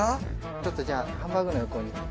ちょっとじゃあハンバーグの横に。